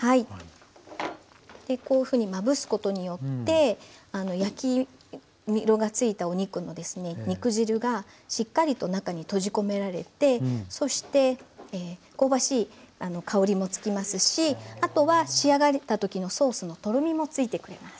こういうふうにまぶすことによって焼き色がついたお肉の肉汁がしっかりと中に閉じ込められてそして香ばしい香りもつきますしあとは仕上がった時のソースのとろみもついてくれます。